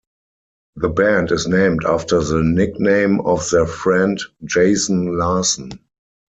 The band is named after the nickname of their friend, Jason Larsen.